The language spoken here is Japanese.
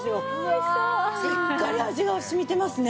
しっかり味が染みてますね。